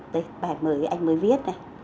đây bài mới anh mới viết này